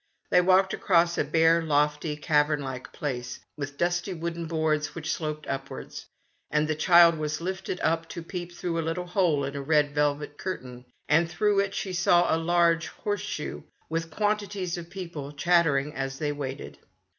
They walked across a bare, lofty, cavern like place, with dusty wooden boards which sloped upward, and the child was lifted up to peep through a little hole in a red velvet curtain, and through it she saw a large horseshoe with quantities of people chattering as they waited.